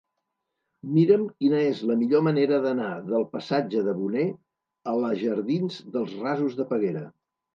Mira'm quina és la millor manera d'anar del passatge de Boné a la jardins dels Rasos de Peguera.